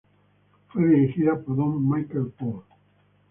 Fue dirigida por Don Michael Paul.